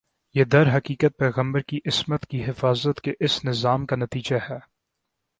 یہ درحقیقت پیغمبر کی عصمت کی حفاظت کے اس نظام کا نتیجہ ہے